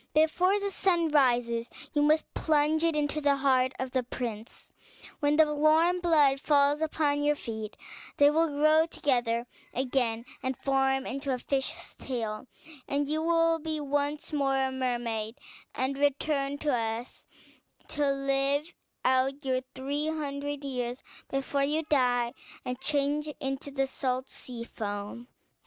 Before the sun rises you must plunge it into the heart of the prince; when the warm blood falls upon your feet they will grow together again, and form into a fish's tail, and you will be once more a mermaid, and return to us to live out your three hundred years before you die and change into the salt sea foam.